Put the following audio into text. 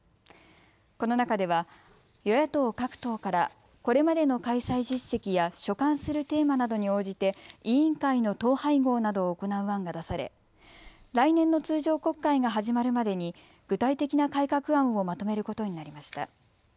この中では与野党各党からこれまでの開催実績や所管するテーマなどに応じて委員会の統廃合などを行う案が出され来年の通常国会が始まるまでに具体的な改革案をまとめることになりました。